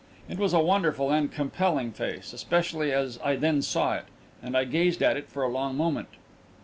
It was a wonderful and compelling face, especially as I then saw it, and I gazed at it for a long moment.